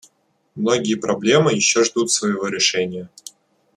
Многие проблемы еще ждут своего решения.